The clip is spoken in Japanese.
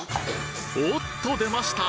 おっとでました！